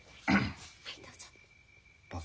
はいどうぞ。